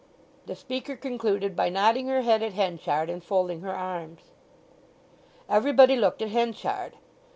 The speaker concluded by nodding her head at Henchard and folding her arms. Everybody looked at Henchard.